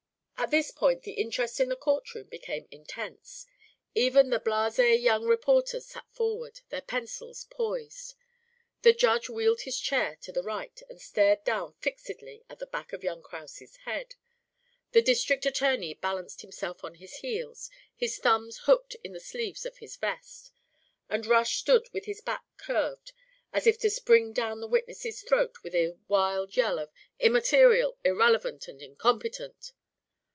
At this point the interest in the court room became intense. Even the blasé young reporters sat forward, their pencils poised. The Judge wheeled his chair to the right and stared down fixedly at the back of young Kraus' head. The district attorney balanced himself on his heels, his thumbs hooked in the sleeves of his vest, and Rush stood with his back curved as if to spring down the witness' throat with a wild yell of "Immaterial, irrelevant and incompetent."